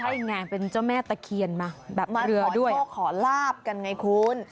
ใช่ไงเป็นเจ้าแม่ตะเคียนน่ะแบบเรือด้วยก่อนเรือโหหลาบรอยกันไงคุณ